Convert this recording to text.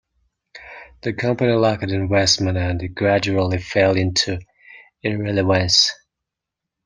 The company lacked investment and gradually fell into irrelevance.